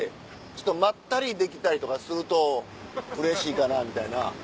ちょっとまったりできたりとかするとうれしいかなみたいな。